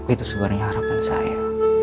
itu sebenarnya harapan saya